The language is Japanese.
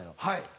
はい。